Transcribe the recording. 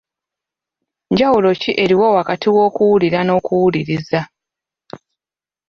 Njawulo ki eriwo wakati w’okuwulira n’okuwuliriza